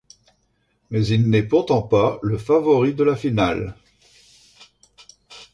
Mais il n'est pourtant pas le favori de la finale.